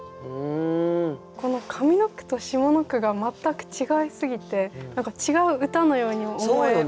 この上の句と下の句が全く違いすぎて何か違う歌のように思えますよね。